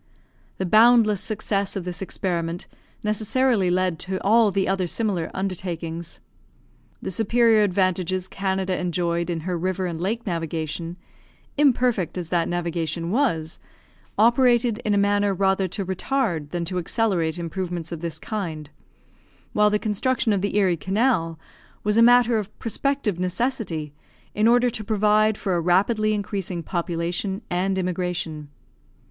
The boundless success of this experiment necessarily led to all the other similar undertakings. The superior advantages Canada enjoyed in her river and lake navigation, imperfect as that navigation was, operated in a manner rather to retard than to accelerate improvements of this kind; while the construction of the Erie Canal was a matter of prospective necessity, in order to provide for a rapidly increasing population and immigration.